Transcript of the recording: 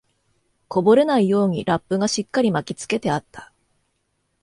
こぼれないようにラップがしっかり巻きつけてあった